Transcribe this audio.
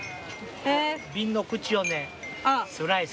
瓶の口をスライスして。